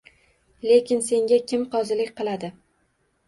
Lekin senga kim qozilik qiladi.